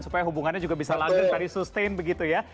supaya hubungannya juga bisa langsung tadi sustain begitu ya